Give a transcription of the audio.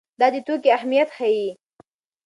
دا د توکي اهميت ښيي.